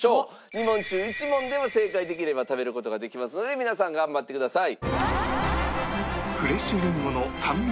２問中１問でも正解できれば食べる事ができますので皆さん頑張ってください。